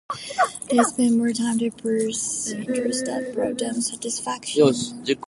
They spent more time to pursue interests that brought them satisfaction.